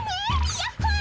やっほ！